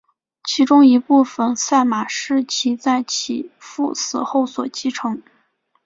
其中一部分赛马是其在其父死后所继承。